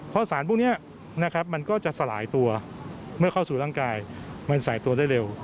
เพราะสารพวกนี้นะครับมันก็จะสลายตัวเมื่อเข้าสู่ร่างกายมันใส่ตัวได้เร็ว